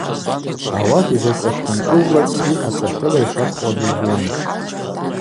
Ауат йзачӏващтанчӏвызлакӏгьи ацӏахьыла йшахъуаз убун.